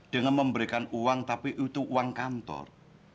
dengan memberikan uang tapi itu uang kantor